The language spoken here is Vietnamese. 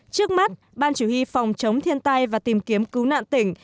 trước mắt ban chủ y phòng chống thiên tai và tìm kiếm cứu nạn tỉnh